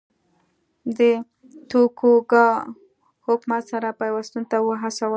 د توکوګاوا حکومت سره پیوستون ته وهڅول.